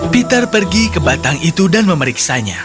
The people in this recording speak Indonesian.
peter pergi ke batang itu dan memeriksanya